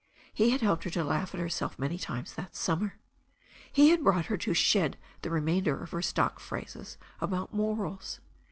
He had helped her to laugh at herself many times that summer. He had brought her to shed the remainder of her stock phrases about morals.